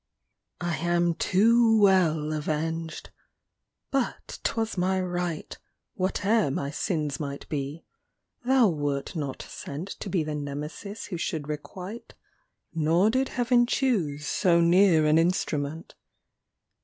I am too well avenged! but 'twas my right; Whate'er my sins might be, thou wert not sent To be the Nemesis who should requite Nor did Heaven choose so near an instrument.